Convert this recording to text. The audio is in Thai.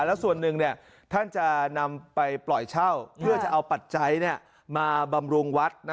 แล้วส่วนหนึ่งท่านจะนำไปปล่อยเช่าเพื่อจะเอาปัจจัยมาบำรุงวัด